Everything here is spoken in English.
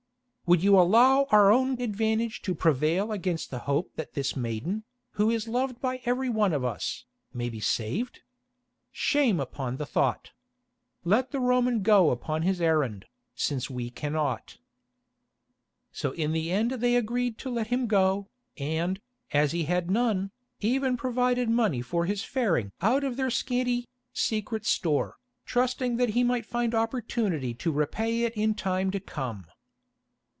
Would you allow our own advantage to prevail against the hope that this maiden, who is loved by everyone of us, may be saved? Shame upon the thought. Let the Roman go upon his errand, since we cannot." So in the end they agreed to let him go, and, as he had none, even provided money for his faring out of their scanty, secret store, trusting that he might find opportunity to repay it in time to come.